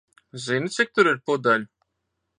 Zini, cik tur ir pudeļu?